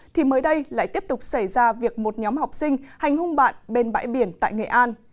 thì mới đây lại tiếp tục xảy ra việc một nhóm học sinh hành hung bạn bên bãi biển tại nghệ an